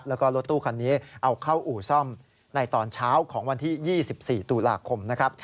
แล้วก็รถตู้คันนี้เอาเข้าอู่ซ่อมในตอนเช้าของวันที่๒๔ตุลาคมนะครับ